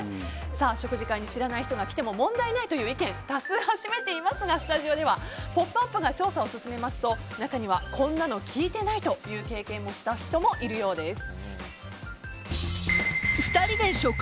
食事会に知らない人が来ても問題ないという意見スタジオでは多数派を占めていますが「ポップＵＰ！」が調査を進めますと中にはこんなの聞いてないという経験をした人もいるようです。